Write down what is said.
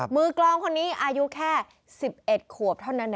กลองคนนี้อายุแค่๑๑ขวบเท่านั้น